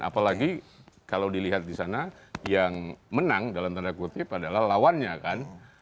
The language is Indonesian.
apalagi kalau dilihat di sana yang menang dalam tanda kutip adalah lawannya kan